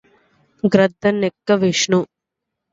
గ్రద్దనెక్కె Vishnu